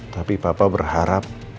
tapi papa berharap